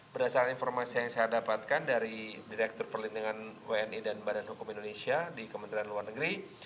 berdasarkan informasi yang saya dapatkan dari direktur perlindungan wni dan badan hukum indonesia di kementerian luar negeri